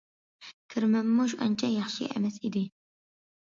كىرىمىممۇ ئانچە ياخشى ئەمەس ئىدى.